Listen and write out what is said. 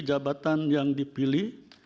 jabatan yang dipilih